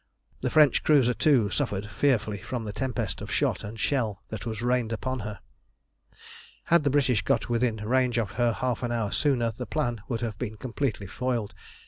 The French cruiser, too, suffered fearfully from the tempest of shot and shell that was rained upon her. Had the British got within range of her half an hour sooner the plan would have been completely foiled.